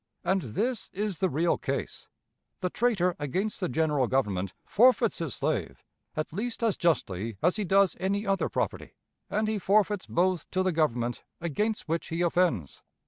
And this is the real case. The traitor against the General Government forfeits his slave at least as justly as he does any other property; and he forfeits both to the Government against which he offends.